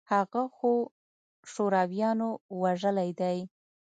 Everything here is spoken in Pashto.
هغه خو شورويانو وژلى دى.